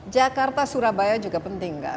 jakarta surabaya juga penting kan